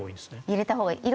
入れたほうがいい。